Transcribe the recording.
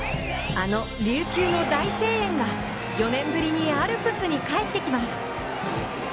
あの琉球の大声援が４年ぶりにアルプスに帰ってきます。